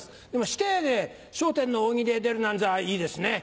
師弟で『笑点』の大喜利へ出るなんざいいですね。